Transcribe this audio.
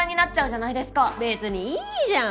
別にいいじゃん。